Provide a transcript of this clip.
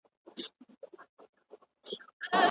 تاسو به د خپلو هیلو لپاره مبارزه کوئ.